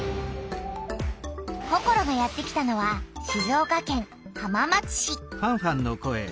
ココロがやって来たのは静岡県浜松市。